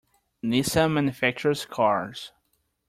Nissan manufactures cars.